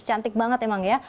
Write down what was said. cantik banget emang ya